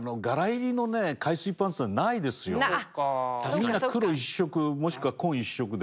みんな黒一色もしくは紺一色で。